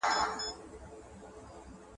که نجونې نرسانې شي نو ناروغان به یوازې نه وي.